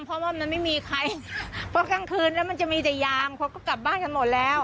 เพราะกลางคืนแล้วมันจะมีแต่ยามคนก็กลับบ้านกันหมดแล้ว